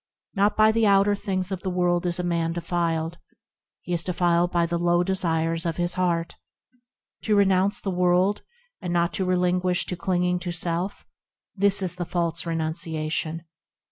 Not by the outer things of the world is a man defiled ; He is defiled by the low desires of his heart. To renounce the world, and not to relinguish to clinging to self– This is the false renunciation.